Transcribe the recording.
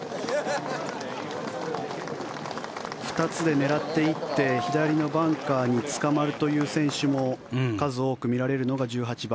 ２つで狙っていって左のバンカーにつかまるという選手も数多く見られるのが１８番。